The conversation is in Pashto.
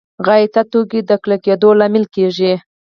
غایطه توکو د کلکېدو لامل کېږي.